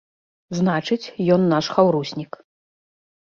Значыць, ён наш хаўруснік.